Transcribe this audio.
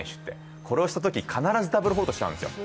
これをしたとき必ずダブルフォルトしちゃうんですよ。